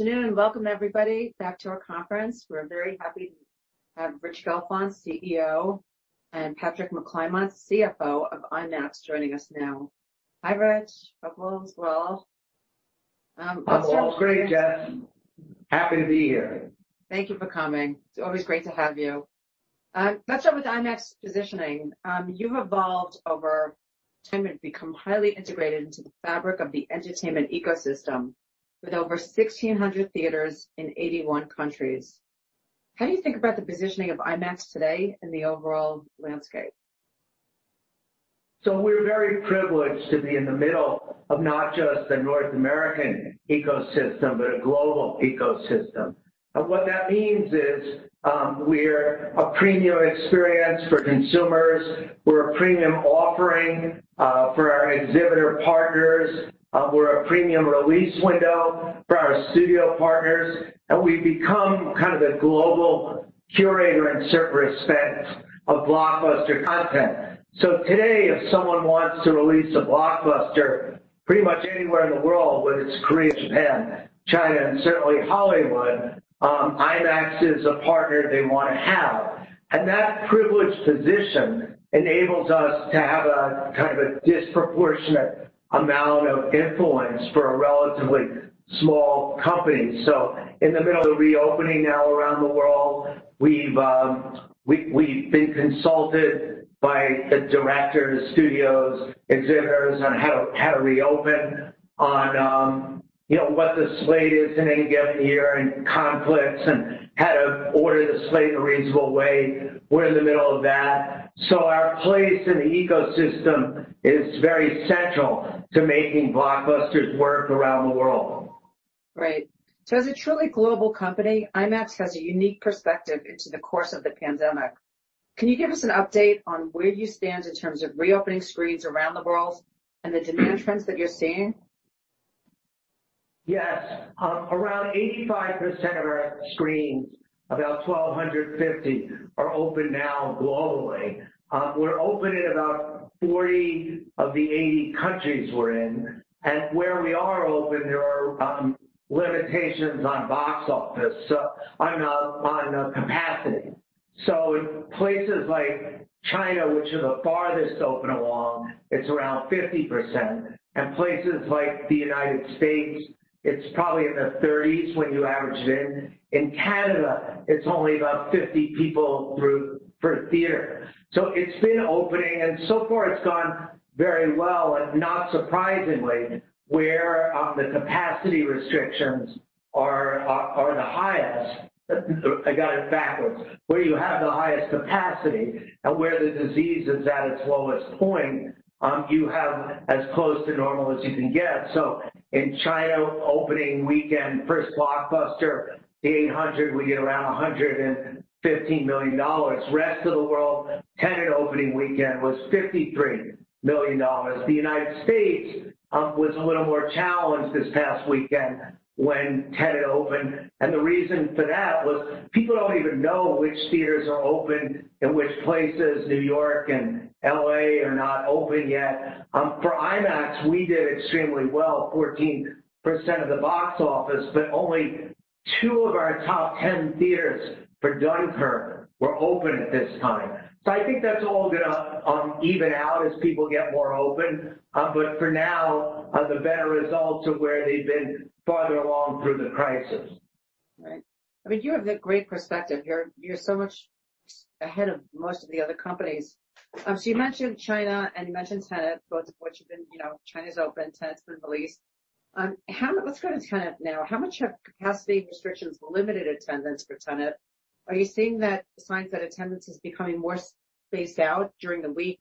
Afternoon and welcome, everybody, back to our conference. We're very happy to have Rich Gelfond, CEO, and Patrick McClymont, CFO of IMAX, joining us now. Hi, Rich. Welcome as well. Great, Jess. Happy to be here. Thank you for coming. It's always great to have you. Let's start with IMAX's positioning. You've evolved over time and become highly integrated into the fabric of the entertainment ecosystem with over 1,600 theaters in 81 countries. How do you think about the positioning of IMAX today in the overall landscape? So we're very privileged to be in the middle of not just the North American ecosystem, but a global ecosystem. And what that means is we're a premium experience for consumers. We're a premium offering for our exhibitor partners. We're a premium release window for our studio partners. And we've become kind of a global curator, in certain respects, of blockbuster content. So today, if someone wants to release a blockbuster pretty much anywhere in the world, whether it's Korea, Japan, China, and certainly Hollywood, IMAX is a partner they want to have. And that privileged position enables us to have a kind of a disproportionate amount of influence for a relatively small company. So in the middle of the reopening now around the world, we've been consulted by the directors, studios, exhibitors, on how to reopen, on what the slate is in any given year, and conflicts, and how to order the slate in a reasonable way. We're in the middle of that. So our place in the ecosystem is very central to making blockbusters work around the world. Great. So as a truly global company, IMAX has a unique perspective into the course of the pandemic. Can you give us an update on where you stand in terms of reopening screens around the world and the demand trends that you're seeing? Yes. Around 85% of our screens, about 1,250, are open now globally. We're open in about 40 of the 80 countries we're in. And where we are open, there are limitations on box office, on capacity. So in places like China, which are the farthest open along, it's around 50%. And places like the United States, it's probably in the 30s when you average it in. In Canada, it's only about 50 people for theater. So it's been opening. And so far, it's gone very well. And not surprisingly, where the capacity restrictions are the highest, I got it backwards, where you have the highest capacity and where the disease is at its lowest point, you have as close to normal as you can get. So in China, opening weekend, first blockbuster, The Eight Hundred, we get around $115 million. The rest of the world, Tenet opening weekend was $53 million. The United States was a little more challenged this past weekend when Tenet opened. The reason for that was people don't even know which theaters are open and which places, New York and LA, are not open yet. For IMAX, we did extremely well, 14% of the box office, but only two of our top 10 theaters for Dunkirk were open at this time. I think that's all going to even out as people get more open. For now, the better results are where they've been farther along through the crisis. Right. I mean, you have a great perspective. You're so much ahead of most of the other companies. So you mentioned China and you mentioned Tenet, both of which have been, China's open, Tenet's been released. Let's go to Tenet now. How much have capacity restrictions limited attendance for Tenet? Are you seeing any signs that attendance is becoming more spaced out during the week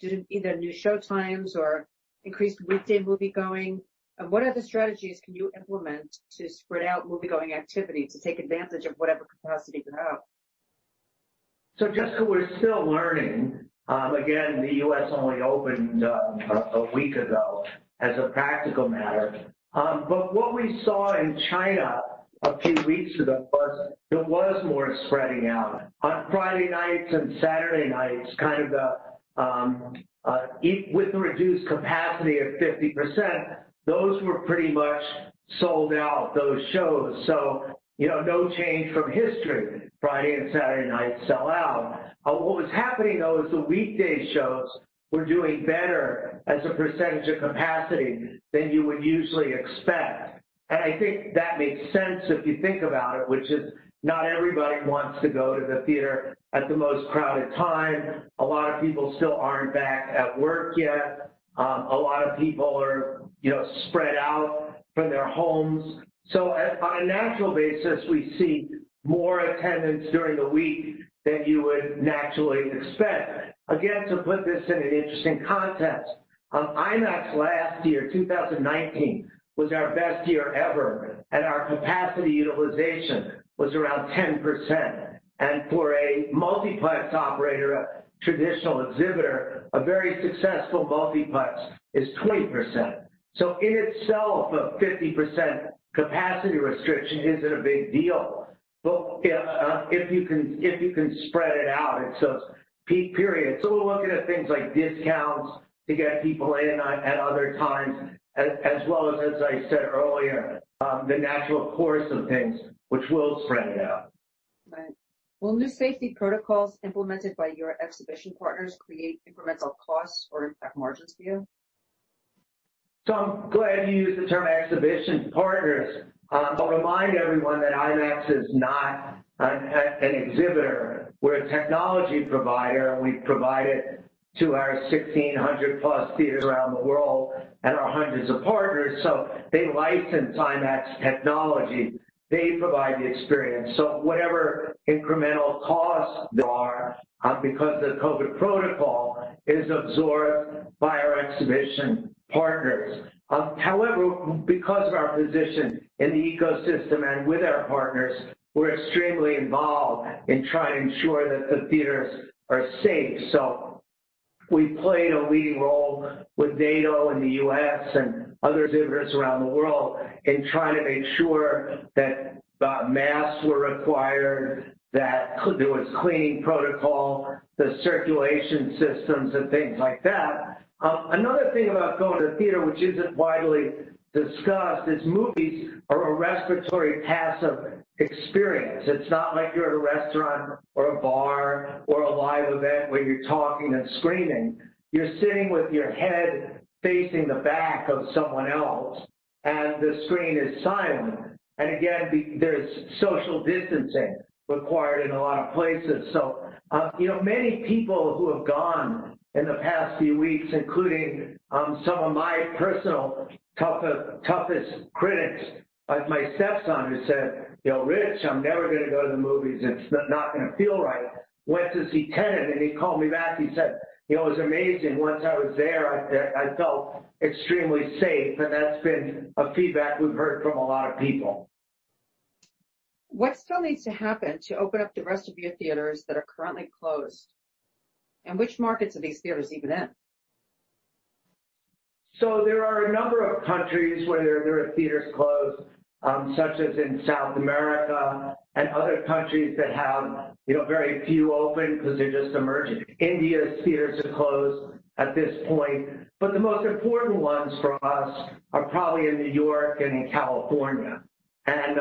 due to either new showtimes or increased weekday moviegoing? And what other strategies can you implement to spread out moviegoing activity to take advantage of whatever capacity you have? So Jessica, we're still learning. Again, the U.S. only opened a week ago as a practical matter. But what we saw in China a few weeks ago was there was more spreading out. On Friday nights and Saturday nights, kind of with a reduced capacity of 50%, those were pretty much sold out, those shows. So no change from history. Friday and Saturday nights sell out. What was happening, though, is the weekday shows were doing better as a percentage of capacity than you would usually expect. And I think that makes sense if you think about it, which is not everybody wants to go to the theater at the most crowded time. A lot of people still aren't back at work yet. A lot of people are spread out from their homes. So on a natural basis, we see more attendance during the week than you would naturally expect. Again, to put this in an interesting context, IMAX last year, 2019, was our best year ever. And our capacity utilization was around 10%. And for a multiplex operator, a traditional exhibitor, a very successful multiplex is 20%. So in itself, a 50% capacity restriction isn't a big deal. But if you can spread it out, it's a peak period. So we're looking at things like discounts to get people in at other times, as well as, as I said earlier, the natural course of things, which will spread it out. Right. Will new safety protocols implemented by your exhibition partners create incremental costs or impact margins for you? So I'm glad you used the term exhibition partners. I'll remind everyone that IMAX is not an exhibitor. We're a technology provider. We provide it to our 1,600-plus theaters around the world and our hundreds of partners. So they license IMAX technology. They provide the experience. So whatever incremental costs there are because of the COVID protocol is absorbed by our exhibition partners. However, because of our position in the ecosystem and with our partners, we're extremely involved in trying to ensure that the theaters are safe. So we played a leading role with NATO and the U.S. and other exhibitors around the world in trying to make sure that masks were required, that there was cleaning protocol, the circulation systems, and things like that. Another thing about going to the theater, which isn't widely discussed, is movies are a respiratory passive experience. It's not like you're at a restaurant or a bar or a live event where you're talking and screaming. You're sitting with your head facing the back of someone else, and the screen is silent. And again, there's social distancing required in a lot of places. So many people who have gone in the past few weeks, including some of my personal toughest critics, like my stepson, who said, "Rich, I'm never going to go to the movies. It's not going to feel right." Went to see Tenet, and he called me back. He said, "It was amazing. Once I was there, I felt extremely safe." And that's been a feedback we've heard from a lot of people. What still needs to happen to open up the rest of your theaters that are currently closed, and which markets are these theaters even in? So there are a number of countries where there are theaters closed, such as in South America and other countries that have very few open because they're just emerging. India's theaters are closed at this point. But the most important ones for us are probably in New York and in California. And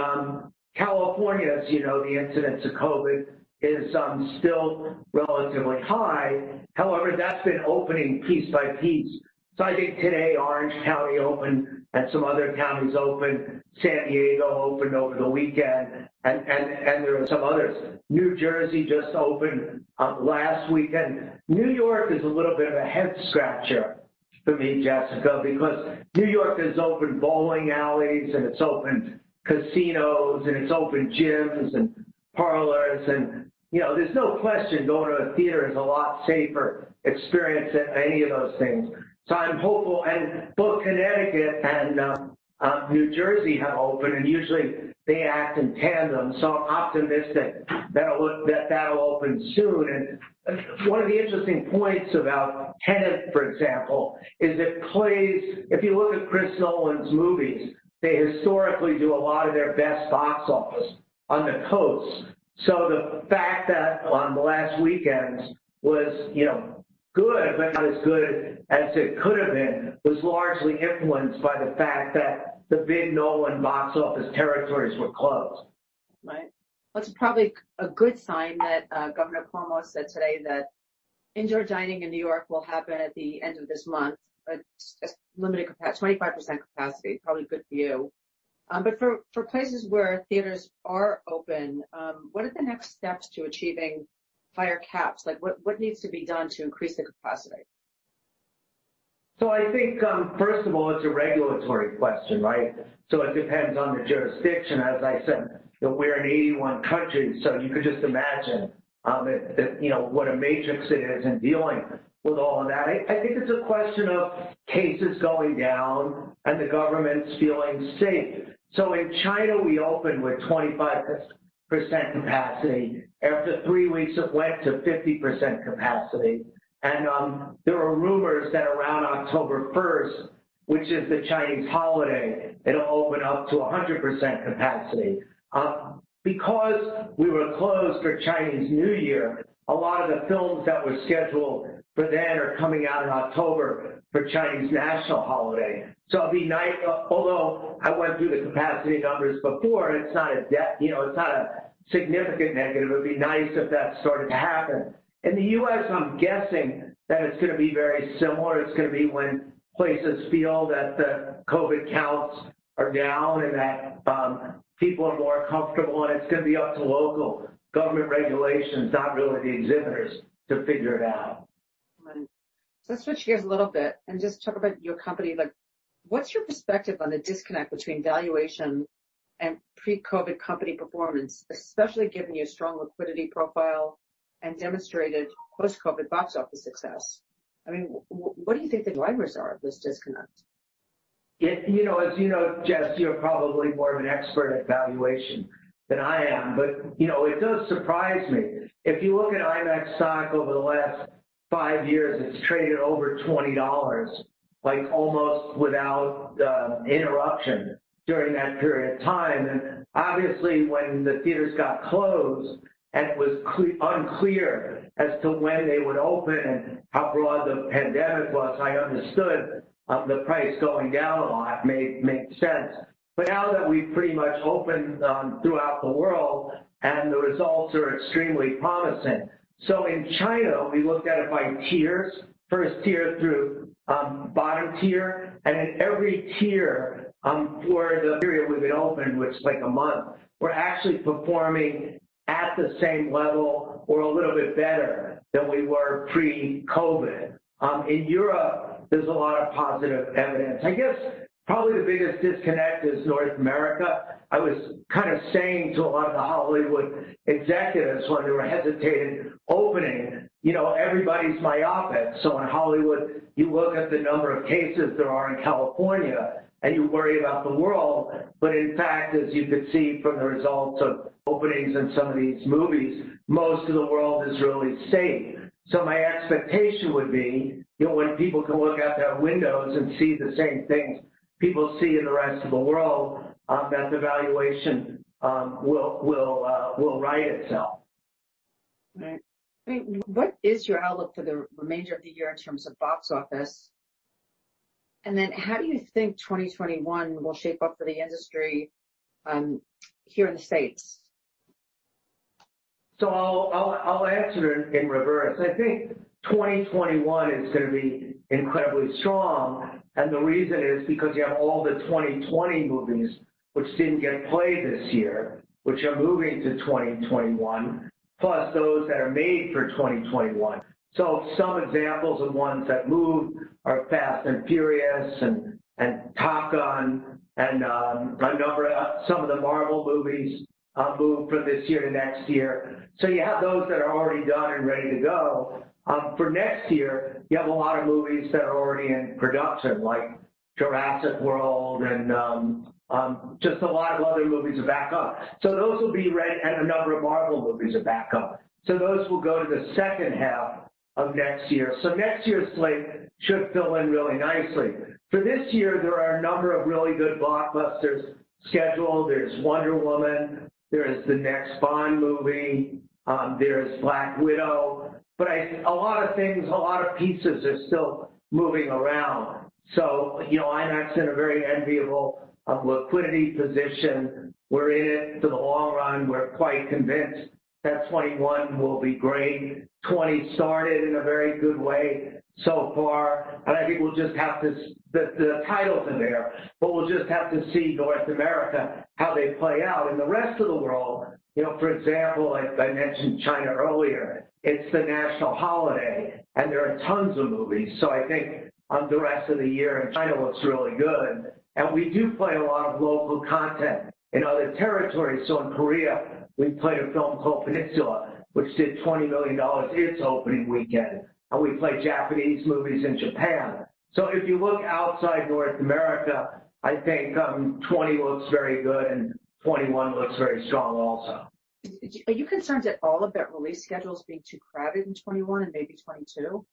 California, as you know, the incidence of COVID is still relatively high. However, that's been opening piece by piece. So I think today, Orange County opened, and some other counties opened. San Diego opened over the weekend, and there are some others. New Jersey just opened last weekend. New York is a little bit of a head-scratcher for me, Jessica, because New York has opened bowling alleys, and it's opened casinos, and it's opened gyms and parlors. And there's no question going to a theater is a lot safer experience than any of those things. So I'm hopeful. And both Connecticut and New Jersey have opened, and usually they act in tandem. So I'm optimistic that that'll open soon. And one of the interesting points about Tenet, for example, is it plays if you look at Chris Nolan's movies, they historically do a lot of their best box office on the coasts. So the fact that on the last weekends was good, but not as good as it could have been, was largely influenced by the fact that the big Nolan box office territories were closed. Right. That's probably a good sign that Governor Cuomo said today that indoor dining in New York will happen at the end of this month, limited capacity, 25% capacity, probably good for you. But for places where theaters are open, what are the next steps to achieving higher caps? What needs to be done to increase the capacity? I think, first of all, it's a regulatory question, right? So it depends on the jurisdiction. As I said, we're in 81 countries. So you could just imagine what a matrix it is in dealing with all of that. I think it's a question of cases going down and the government's feeling safe. So in China, we opened with 25% capacity. After three weeks, it went to 50% capacity. And there are rumors that around October 1st, which is the Chinese holiday, it'll open up to 100% capacity. Because we were closed for Chinese New Year, a lot of the films that were scheduled for then are coming out in October for Chinese National Holiday. So it'd be nice, although I went through the capacity numbers before, it's not a significant negative. It'd be nice if that started to happen. In the U.S., I'm guessing that it's going to be very similar. It's going to be when places feel that the COVID counts are down and that people are more comfortable, and it's going to be up to local government regulations, not really the exhibitors, to figure it out. Right. So let's switch gears a little bit and just talk about your company. What's your perspective on the disconnect between valuation and pre-COVID company performance, especially given your strong liquidity profile and demonstrated post-COVID box office success? I mean, what do you think the drivers are of this disconnect? As you know, Jess, you're probably more of an expert at valuation than I am. But it does surprise me. If you look at IMAX stock over the last five years, it's traded over $20, like almost without interruption during that period of time. And obviously, when the theaters got closed and it was unclear as to when they would open and how broad the pandemic was, I understood the price going down a lot made sense. But now that we've pretty much opened throughout the world and the results are extremely promising. So in China, we looked at it by tiers, first tier through bottom tier. And in every tier for the period we've been open, which is like a month, we're actually performing at the same level or a little bit better than we were pre-COVID. In Europe, there's a lot of positive evidence. I guess probably the biggest disconnect is North America. I was kind of saying to a lot of the Hollywood executives when they were hesitating opening, everybody's myopic. So in Hollywood, you look at the number of cases there are in California and you worry about the world. But in fact, as you could see from the results of openings in some of these movies, most of the world is really safe. So my expectation would be when people can look out their windows and see the same things people see in the rest of the world, that the valuation will right itself. Right. I mean, what is your outlook for the remainder of the year in terms of box office? And then how do you think 2021 will shape up for the industry here in the States? So I'll answer it in reverse. I think 2021 is going to be incredibly strong. And the reason is because you have all the 2020 movies, which didn't get played this year, which are moving to 2021, plus those that are made for 2021. So some examples of ones that moved are Fast and Furious and Top Gun and some of the Marvel movies moved from this year to next year. So you have those that are already done and ready to go. For next year, you have a lot of movies that are already in production, like Jurassic World and just a lot of other movies are back up. So those will be ready, and a number of Marvel movies are back up. So those will go to the second half of next year. So next year's slate should fill in really nicely. For this year, there are a number of really good blockbusters scheduled. There's Wonder Woman. There is the next Bond movie. There is Black Widow, but a lot of things, a lot of pieces are still moving around, so IMAX is in a very enviable liquidity position. We're in it for the long run. We're quite convinced that 2021 will be great. 2020 started in a very good way so far, and I think the titles are there, but we'll just have to see how they play out in North America. In the rest of the world, for example, I mentioned China earlier. It's the national holiday, and there are tons of movies, so I think the rest of the year in China looks really good, and we do play a lot of local content in other territories. In Korea, we played a film called Peninsula, which did $20 million its opening weekend. We play Japanese movies in Japan. If you look outside North America, I think 2020 looks very good, and 2021 looks very strong also. Are you concerned at all about release schedules being too crowded in 2021 and maybe 2022?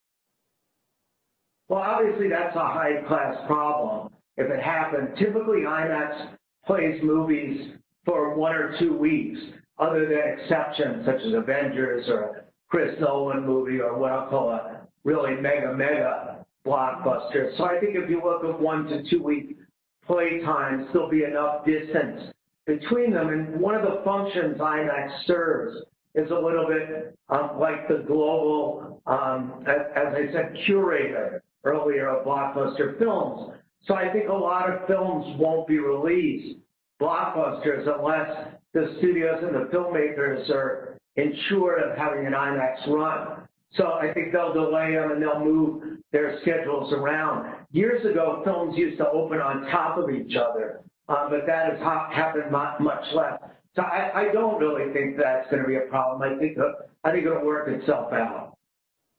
Obviously, that's a high-class problem if it happened. Typically, IMAX plays movies for one or two weeks, other than exceptions such as Avengers or a Chris Nolan movie or what I'll call a really mega-mega blockbuster. So I think if you look at one- to two-week playtime, there'll be enough distance between them. And one of the functions IMAX serves is a little bit like the global, as I said, curator earlier of blockbuster films. So I think a lot of films won't be released blockbusters unless the studios and the filmmakers are assured of having an IMAX run. So I think they'll delay them and they'll move their schedules around. Years ago, films used to open on top of each other, but that has happened much less. So I don't really think that's going to be a problem. I think it'll work itself out.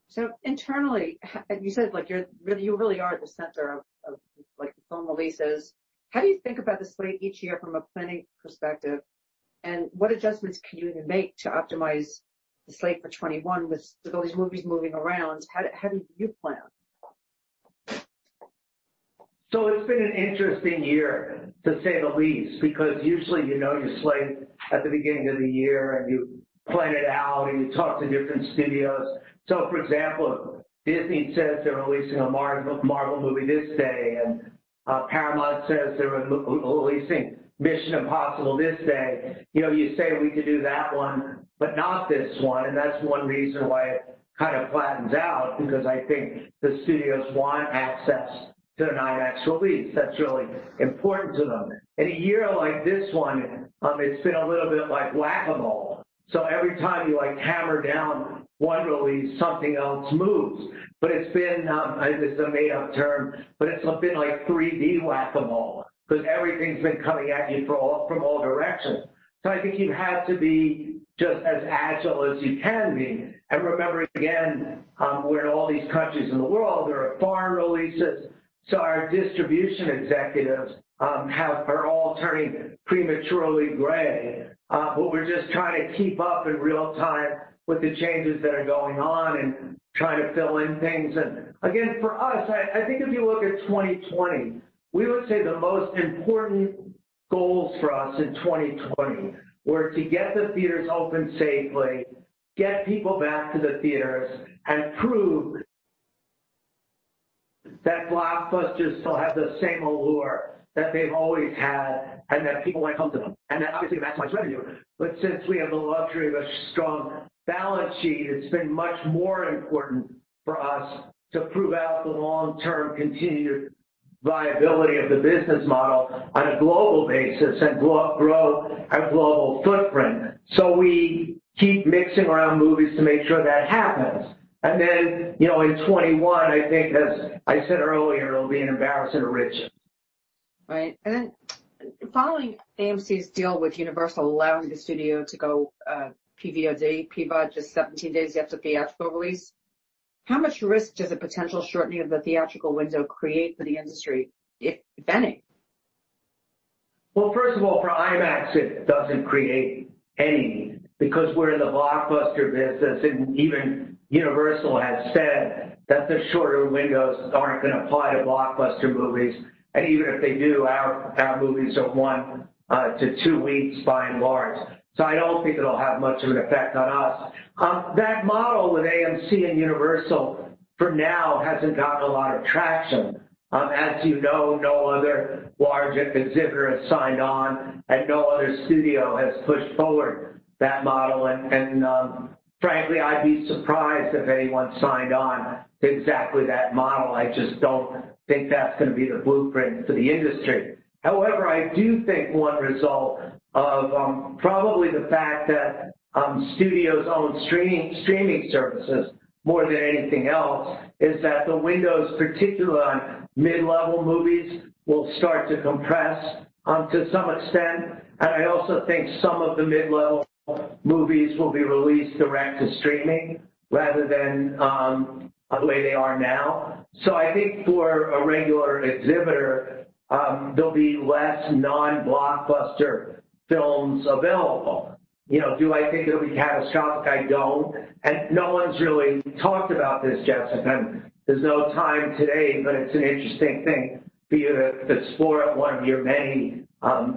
So internally, you said you really are at the center of film releases. How do you think about the slate each year from a planning perspective? And what adjustments can you even make to optimize the slate for 2021 with all these movies moving around? How do you plan? It's been an interesting year, to say the least, because usually you know your slate at the beginning of the year, and you plan it out, and you talk to different studios. For example, Disney says they're releasing a Marvel movie this day. Paramount says they're releasing Mission: Impossible this day. You say we could do that one, but not this one. That's one reason why it kind of flattens out, because I think the studios want access to an IMAX release that's really important to them. In a year like this one, it's been a little bit like whack-a-mole. Every time you hammer down one release, something else moves. It's been, this is a made-up term, but it's been like 3D whack-a-mole because everything's been coming at you from all directions. I think you have to be just as agile as you can be. And remember, again, we're in all these countries in the world. There are foreign releases. So our distribution executives are all turning prematurely gray. But we're just trying to keep up in real time with the changes that are going on and trying to fill in things. And again, for us, I think if you look at 2020, we would say the most important goals for us in 2020 were to get the theaters open safely, get people back to the theaters, and prove that blockbusters still have the same allure that they've always had and that people want to come to them. And that, obviously, maximizes revenue. But since we have the luxury of a strong balance sheet, it's been much more important for us to prove out the long-term continued viability of the business model on a global basis and grow our global footprint. We keep mixing around movies to make sure that happens. Then in 2021, I think, as I said earlier, it'll be an embarrassingly rich. Right. And then following AMC's deal with Universal allowing the studio to go PVOD, PVOD just 17 days after theatrical release, how much risk does a potential shortening of the theatrical window create for the industry, if any? First of all, for IMAX, it doesn't create any because we're in the blockbuster business, and even Universal has said that the shorter windows aren't going to apply to blockbuster movies, and even if they do, our movies are one to two weeks by and large, so I don't think it'll have much of an effect on us. That model with AMC and Universal for now hasn't gotten a lot of traction. As you know, no other large exhibitor has signed on, and no other studio has pushed forward that model, and frankly, I'd be surprised if anyone signed on to exactly that model. I just don't think that's going to be the blueprint for the industry. However, I do think one result of probably the fact that studios own streaming services more than anything else is that the windows, particularly on mid-level movies, will start to compress to some extent. And I also think some of the mid-level movies will be released direct to streaming rather than the way they are now. So I think for a regular exhibitor, there'll be less non-blockbuster films available. Do I think it'll be catastrophic? I don't. And no one's really talked about this, Jessica. There's no time today, but it's an interesting thing for you to explore at one of your many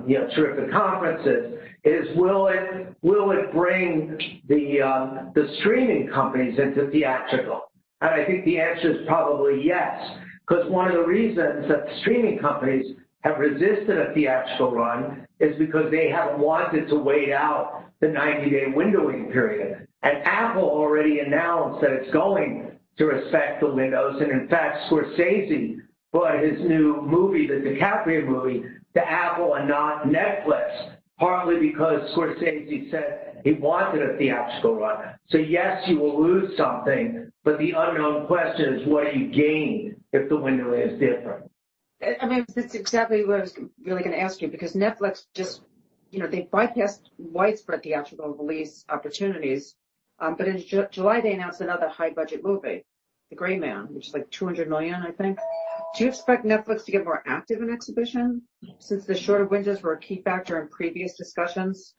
terrific conferences: is will it bring the streaming companies into theatrical? And I think the answer is probably yes. Because one of the reasons that streaming companies have resisted a theatrical run is because they haven't wanted to wait out the 90-day windowing period. Apple already announced that it's going to respect the windows. In fact, Scorsese brought his new movie, the DiCaprio movie, to Apple and not Netflix, partly because Scorsese said he wanted a theatrical run. Yes, you will lose something, but the unknown question is, what do you gain if the window is different? I mean, that's exactly what I was really going to ask you because Netflix just bypassed widespread theatrical release opportunities. But in July, they announced another high-budget movie, The Gray Man, which is like $200 million, I think. Do you expect Netflix to get more active in exhibition since the shorter windows were a key factor in previous discussions?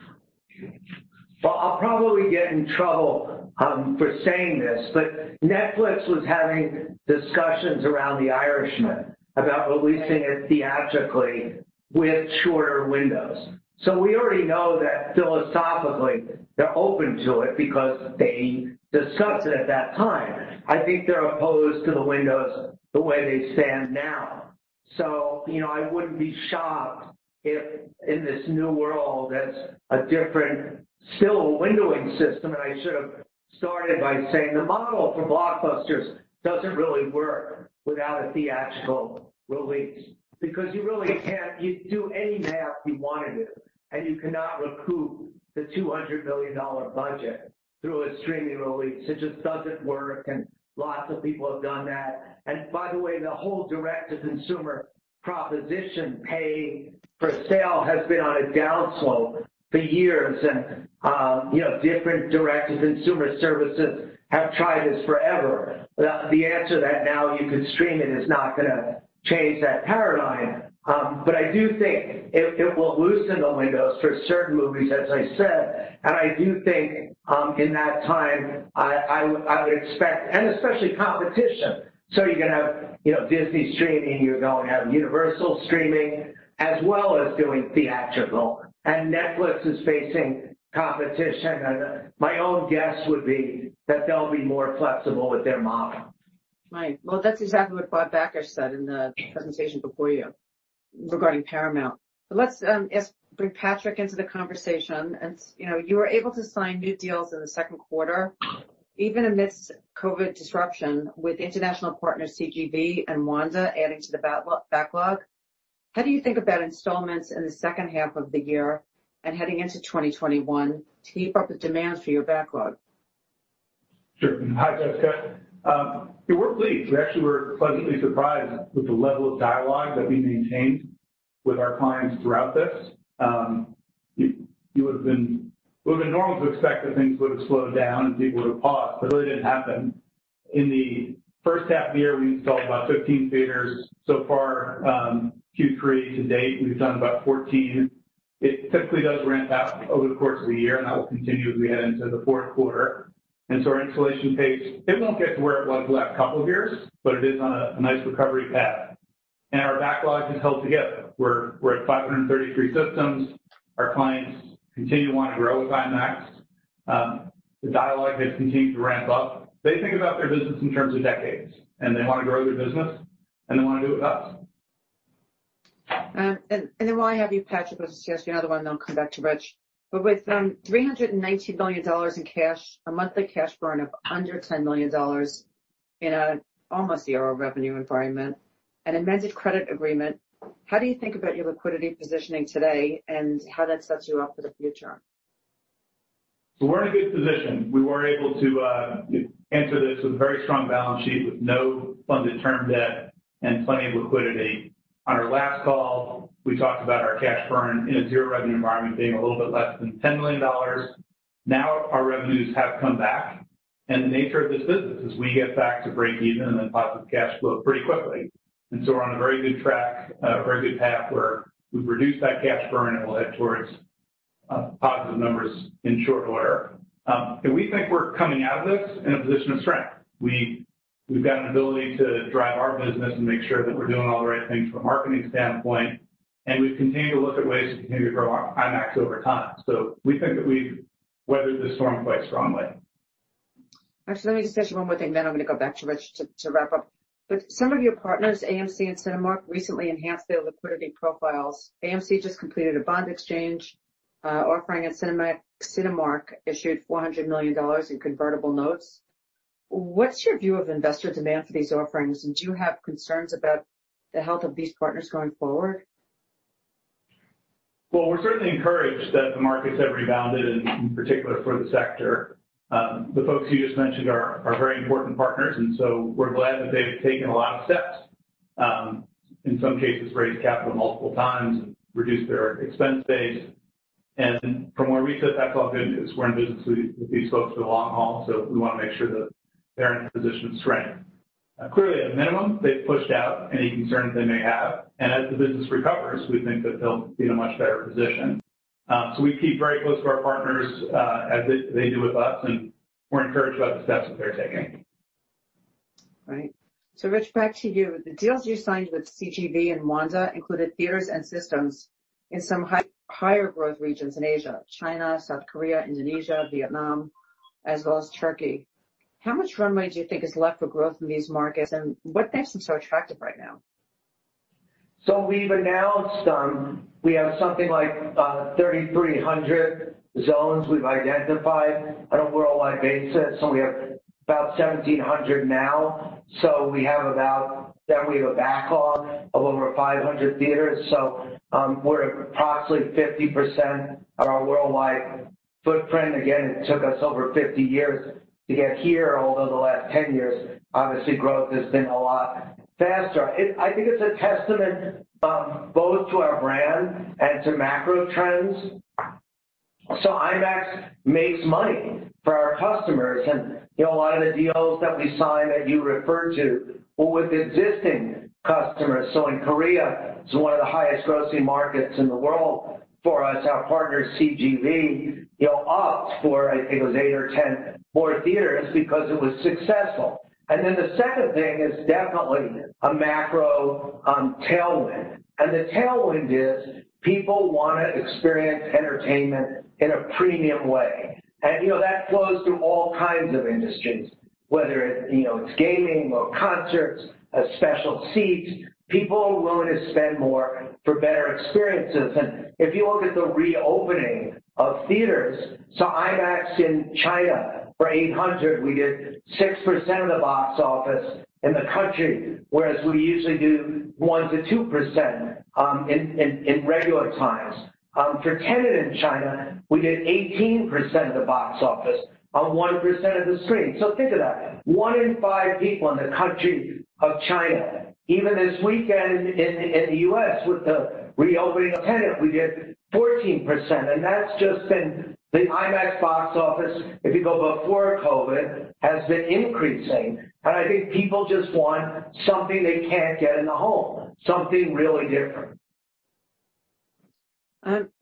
Well, I'll probably get in trouble for saying this, but Netflix was having discussions around The Irishman about releasing it theatrically with shorter windows. So we already know that philosophically, they're open to it because they discussed it at that time. I think they're opposed to the windows the way they stand now. So I wouldn't be shocked if in this new world, there's a different still windowing system. And I should have started by saying the model for blockbusters doesn't really work without a theatrical release because you really can't do any math you want to do. And you cannot recoup the $200 million budget through a streaming release. It just doesn't work. And lots of people have done that. And by the way, the whole direct-to-consumer proposition pay-per-sale has been on a downslope for years. And different direct-to-consumer services have tried this forever. The answer to that, now you can stream it, is not going to change that paradigm, but I do think it will loosen the windows for certain movies, as I said, and I do think in that time I would expect, and especially competition, so you're going to have Disney streaming, you're going to have Universal streaming as well as doing theatrical, and Netflix is facing competition, and my own guess would be that they'll be more flexible with their model. Right. Well, that's exactly what Bob Bakish said in the presentation before you regarding Paramount. But let's bring Patrick into the conversation. And you were able to sign new deals in the second quarter, even amidst COVID disruption, with international partners CGV and Wanda adding to the backlog. How do you think about installments in the second half of the year and heading into 2021 to keep up with demands for your backlog? Sure. Hi, Jessica. It worked great. We actually were pleasantly surprised with the level of dialogue that we maintained with our clients throughout this. It would have been normal to expect that things would have slowed down and people would have paused. That really didn't happen. In the first half of the year, we installed about 15 theaters. So far, Q3 to date, we've done about 14. It typically does ramp out over the course of the year, and that will continue as we head into the fourth quarter. And so our installation pace, it won't get to where it was the last couple of years, but it is on a nice recovery path. And our backlog has held together. We're at 533 systems. Our clients continue to want to grow with IMAX. The dialogue has continued to ramp up. They think about their business in terms of decades, and they want to grow their business, and they want to do it with us. And then while I have you, Patrick, I'll just ask you another one, and then I'll come back to Rich. But with $390 million in cash, a monthly cash burn of under $10 million in an almost zero revenue environment, and an amended credit agreement, how do you think about your liquidity positioning today and how that sets you up for the future? We're in a good position. We were able to answer this with a very strong balance sheet with no funded term debt and plenty of liquidity. On our last call, we talked about our cash burn in a zero revenue environment being a little bit less than $10 million. Now our revenues have come back, and the nature of this business is we get back to break even and then positive cash flow pretty quickly, and so we're on a very good track, a very good path where we've reduced that cash burn and we'll head towards positive numbers in short order, and we think we're coming out of this in a position of strength. We've got an ability to drive our business and make sure that we're doing all the right things from a marketing standpoint. We've continued to look at ways to continue to grow IMAX over time. We think that we've weathered the storm quite strongly. Actually, let me just ask you one more thing, then I'm going to go back to Rich to wrap up. But some of your partners, AMC and Cinemark, recently enhanced their liquidity profiles. AMC just completed a bond exchange offering, and Cinemark issued $400 million in convertible notes. What's your view of investor demand for these offerings? And do you have concerns about the health of these partners going forward? We're certainly encouraged that the markets have rebounded, in particular for the sector. The folks you just mentioned are very important partners, and so we're glad that they've taken a lot of steps, in some cases, raised capital multiple times and reduced their expense base, and from where we sit, that's all good news. We're in business with these folks for the long haul, so we want to make sure that they're in a position of strength. Clearly, at a minimum, they've pushed out any concerns they may have, and as the business recovers, we think that they'll be in a much better position, so we keep very close to our partners as they do with us, and we're encouraged about the steps that they're taking. Right. So Rich, back to you. The deals you signed with CGV and Wanda included theaters and systems in some higher growth regions in Asia, China, South Korea, Indonesia, Vietnam, as well as Turkey. How much runway do you think is left for growth in these markets? And what makes them so attractive right now? We've announced we have something like 3,300 zones we've identified on a worldwide basis. We have about 1,700 now. We have about that we have a backlog of over 500 theaters. We're approximately 50% of our worldwide footprint. Again, it took us over 50 years to get here, although the last 10 years, obviously, growth has been a lot faster. I think it's a testament both to our brand and to macro trends. IMAX makes money for our customers. A lot of the deals that we signed that you referred to were with existing customers. In Korea, it's one of the highest grossing markets in the world for us. Our partner, CGV, opted for, I think it was 8 or 10 more theaters because it was successful. The second thing is definitely a macro tailwind. The tailwind is people want to experience entertainment in a premium way. That flows through all kinds of industries, whether it's gaming or concerts, special seats. People are willing to spend more for better experiences. If you look at the reopening of theaters, so IMAX in China for The Eight Hundred, we did 6% of the box office in the country, whereas we usually do 1%-2% in regular times. For Tenet in China, we did 18% of the box office on 1% of the screen. Think of that. One in five people in the country of China. Even this weekend in the U.S., with the reopening of Tenet, we did 14%. That's just been the IMAX box office, if you go before COVID, has been increasing. I think people just want something they can't get in the home, something really different.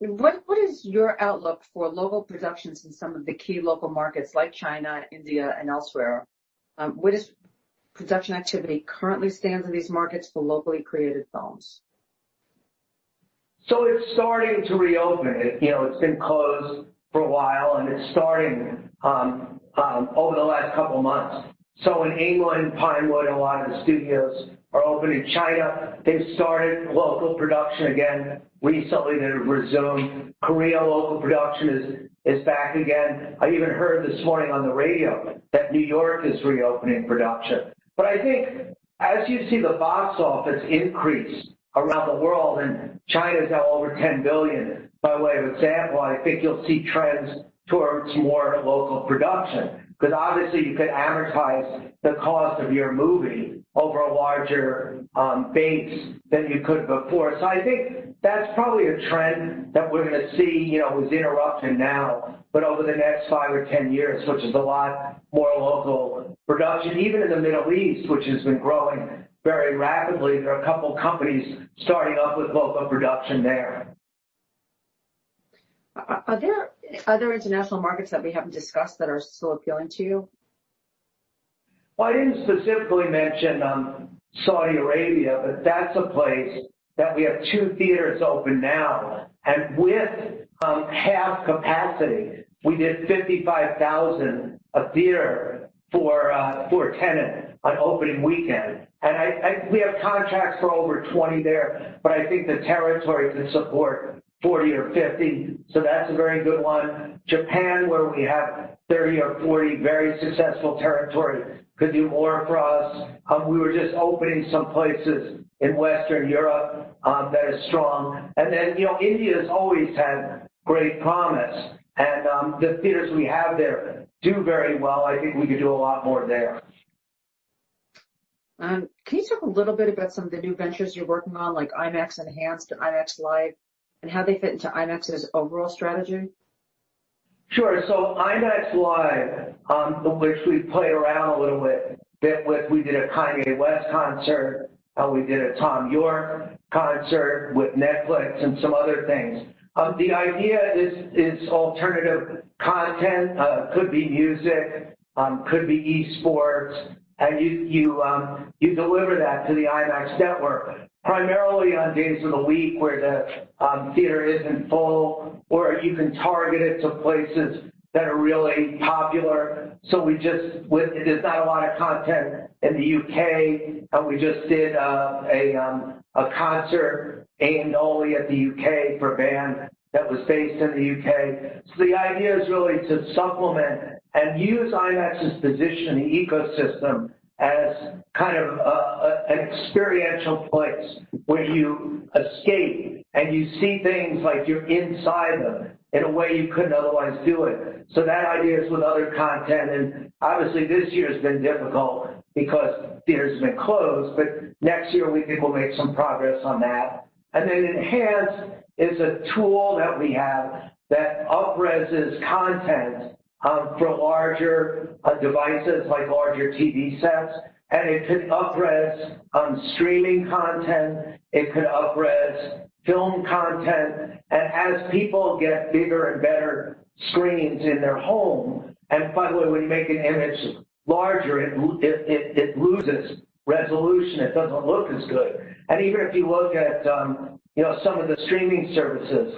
What is your outlook for local productions in some of the key local markets like China, India, and elsewhere? What is production activity currently stands in these markets for locally created films? It's starting to reopen. It's been closed for a while, and it's starting over the last couple of months. In England, Pinewood, and a lot of the studios are open in China. They've started local production again recently. They've resumed. Korea local production is back again. I even heard this morning on the radio that New York is reopening production. But I think, as you see the box office increase around the world, and China is now over 10 billion, by way of example, I think you'll see trends towards more local production. Because obviously, you could amortize the cost of your movie over a larger base than you could before. So I think that's probably a trend that we're going to see is interrupted now, but over the next five or 10 years, which is a lot more local production, even in the Middle East, which has been growing very rapidly. There are a couple of companies starting up with local production there. Are there other international markets that we haven't discussed that are still appealing to you? I didn't specifically mention Saudi Arabia, but that's a place that we have two theaters open now. With half capacity, we did 55,000 a theater for Tenet on opening weekend. We have contracts for over 20 there, but I think the territory could support 40 or 50. That's a very good one. Japan, where we have 30 or 40 very successful territory, could do more for us. We were just opening some places in Western Europe that are strong. India has always had great promise. The theaters we have there do very well. I think we could do a lot more there. Can you talk a little bit about some of the new ventures you're working on, like IMAX Enhanced and IMAX Live, and how they fit into IMAX's overall strategy? Sure. So IMAX Live, which we've played around a little bit with, we did a Kanye West concert, and we did a Thom Yorke concert with Netflix and some other things. The idea is alternative content could be music, could be esports, and you deliver that to the IMAX network primarily on days of the week where the theater isn't full, or you can target it to places that are really popular. So it is not a lot of content in the U.K., and we just did a concert in The O2 in the U.K. for a band that was based in the U.K. So the idea is really to supplement and use IMAX's position in the ecosystem as kind of an experiential place where you escape and you see things like you're inside them in a way you couldn't otherwise do it. So that idea is with other content. Obviously, this year has been difficult because theaters have been closed. But next year, we think we'll make some progress on that. And then Enhanced is a tool that we have that uprezes content for larger devices, like larger TV sets. And it could uprez streaming content. It could uprez film content. And as people get bigger and better screens in their home, and by the way, when you make an image larger, it loses resolution. It doesn't look as good. And even if you look at some of the streaming services,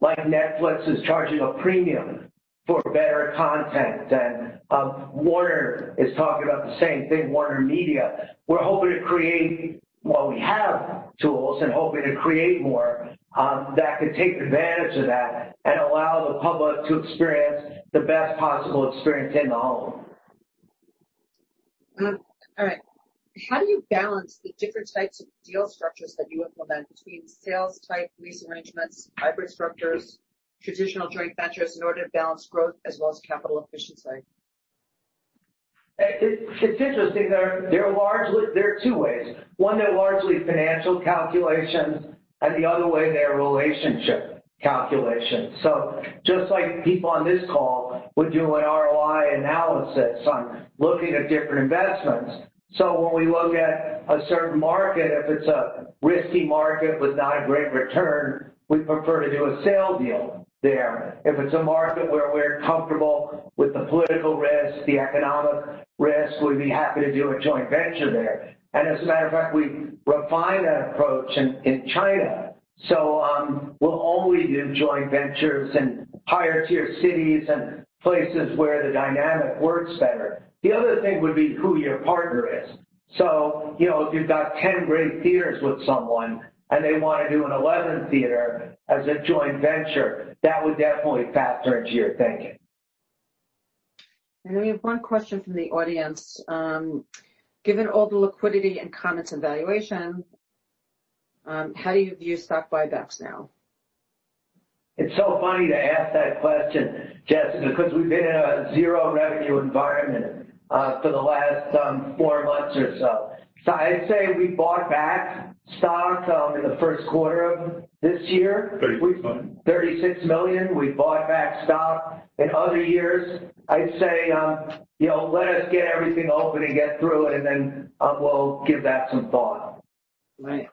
like Netflix is charging a premium for better content and Warner is talking about the same thing, WarnerMedia. We're hoping to create while we have tools and hoping to create more that could take advantage of that and allow the public to experience the best possible experience in the home. All right. How do you balance the different types of deal structures that you implement between sales-type lease arrangements, hybrid structures, traditional joint ventures in order to balance growth as well as capital efficiency? It's interesting. There are two ways. One, they're largely financial calculations, and the other way, they're relationship calculations. So just like people on this call would do an ROI analysis on looking at different investments. So when we look at a certain market, if it's a risky market with not a great return, we prefer to do a sale deal there. If it's a market where we're comfortable with the political risk, the economic risk, we'd be happy to do a joint venture there. And as a matter of fact, we refine that approach in China. So we'll only do joint ventures in higher-tier cities and places where the dynamic works better. The other thing would be who your partner is. So if you've got 10 great theaters with someone and they want to do an 11th theater as a joint venture, that would definitely factor into your thinking. We have one question from the audience. Given all the liquidity and comments and valuation, how do you view stock buybacks now? It's so funny to ask that question, Jessica, because we've been in a zero revenue environment for the last four months or so. So I'd say we bought back stock in the first quarter of this year. 36 million. $36 million. We bought back stock in other years. I'd say let us get everything open and get through it, and then we'll give that some thought. Right.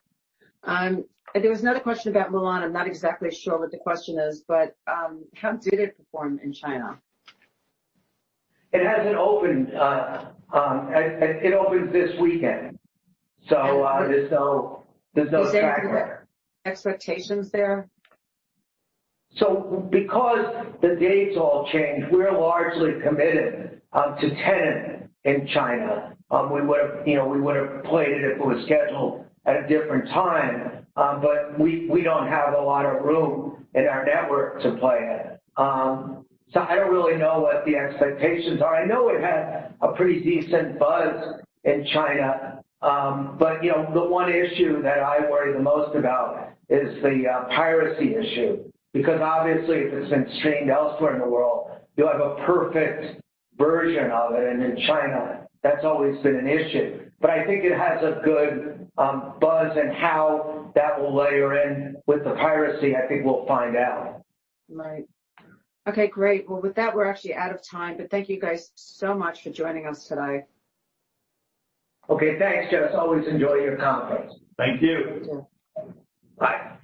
There was another question about Mulan. I'm not exactly sure what the question is, but how did it perform in China? It hasn't opened. It opens this weekend. So there's no track there. Expectations there? So because the dates all change, we're largely committed to Tenet in China. We would have played it if it was scheduled at a different time. But we don't have a lot of room in our network to play it. So I don't really know what the expectations are. I know it had a pretty decent buzz in China. But the one issue that I worry the most about is the piracy issue. Because obviously, if it's been streamed elsewhere in the world, you'll have a perfect version of it. And in China, that's always been an issue. But I think it has a good buzz, and how that will layer in with the piracy, I think we'll find out. Right. Okay, great. Well, with that, we're actually out of time. But thank you guys so much for joining us today. Okay, thanks, Jess. Always enjoy your conference. Thank you. Bye.